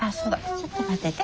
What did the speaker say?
ちょっと待ってて。